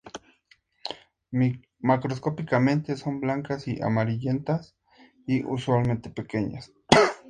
Macroscópicamente son blancas o amarillentas y, usualmente, pequeñas.